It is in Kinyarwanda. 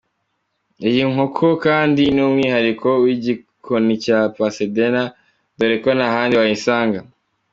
Iyi nkoko kandi ni umwihariko w’igikoni cya Passadena dore ko ntahandi wayisanga.